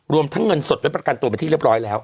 รวมทั้งเงินสดไว้ประกันตัวไปที่เรียบร้อยแล้ว